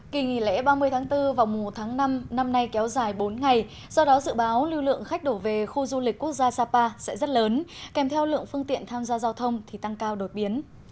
kỳ nghỉ lễ ba mươi tháng bốn vào mùa một tháng năm năm nay kéo dài bốn ngày do đó dự báo lưu lượng khách đổ về khu du lịch quốc gia sapa sẽ rất lớn kèm theo lượng phương tiện tham gia giao thông thì tăng cao đột biến